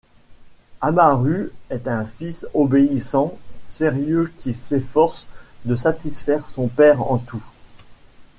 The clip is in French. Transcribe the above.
Amaru est un fils obéissant, sérieux qui s'efforce de satisfaire son père en tout.